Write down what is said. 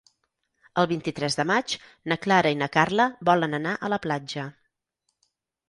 El vint-i-tres de maig na Clara i na Carla volen anar a la platja.